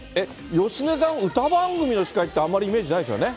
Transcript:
芳根さん、歌番組の司会ってあんまりイメージないですよね。